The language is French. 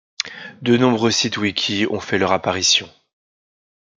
De nombreux sites wiki ont fait leur apparition.